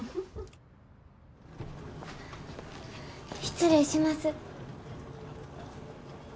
失礼します。